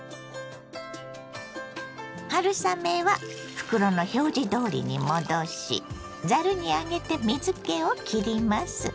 春雨は袋の表示どおりに戻しざるに上げて水けをきります。